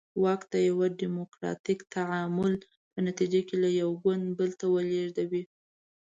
واک د یوه ډیموکراتیک تعامل په نتیجه کې له یو ګوند بل ته ولېږدوي.